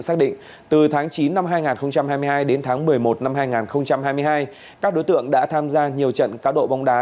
xác định từ tháng chín năm hai nghìn hai mươi hai đến tháng một mươi một năm hai nghìn hai mươi hai các đối tượng đã tham gia nhiều trận cá độ bóng đá